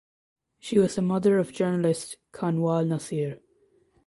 She was the mother of journalist Kanwal Naseer.